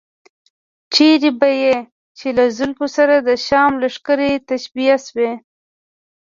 چېرته به چې له زلفو سره د شام لښکرې تشبیه شوې.